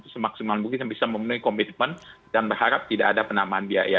semaksimal mungkin bisa memenuhi komitmen dan berharap tidak ada penambahan biaya